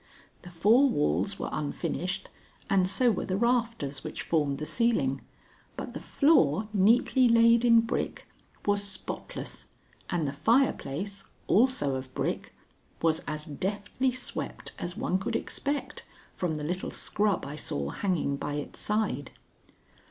The four walls were unfinished, and so were the rafters which formed the ceiling, but the floor, neatly laid in brick, was spotless, and the fireplace, also of brick, was as deftly swept as one could expect from the little scrub I saw hanging by its side.